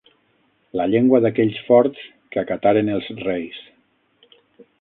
La llengua d'aquells forts que acataren els reis.